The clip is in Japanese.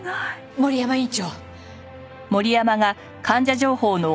森山院長！